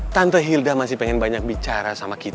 tante hilda masih pengen banyak bicara sama kita